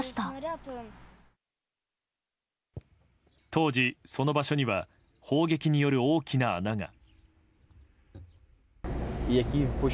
当時、その場所には砲撃による大きな穴が。